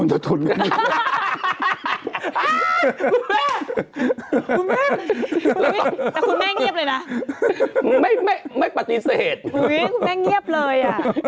งุ้ยไม่เงียบเลย